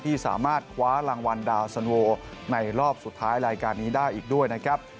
ที่สามารถคว้ารางวัลดาวสันโวในรอบสุดท้ายรายการนี้ได้อีกด้วยนะครับ